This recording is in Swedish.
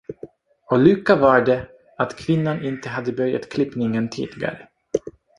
Och lycka var det, att kvinnan inte hade börjat klippningen tidigare.